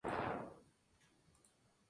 Es Xan y ambos disparan un tiro.